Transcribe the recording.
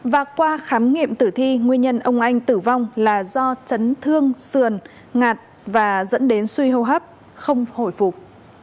và qua khám nghiệm tử thi nguyên nhân ông anh tử vong là do chấn thương sườn ngạt và dẫn đến suy hô hấp không hồi phục